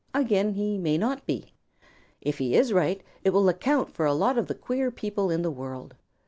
Again he may not be. If he is right, it will account for a lot of the queer people in the world.